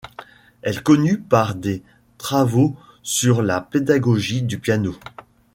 Elle connue par des travaux sur la pédagogie du piano.